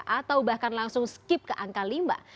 atau bahkan langsung skip ke angka lima